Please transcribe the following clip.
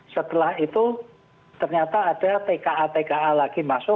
setelah itu ternyata ada tka tka lagi masuk